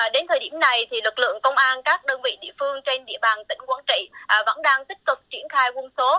đến thời điểm này lực lượng công an các đơn vị địa phương trên địa bàn tỉnh quảng trị vẫn đang tích cực triển khai quân số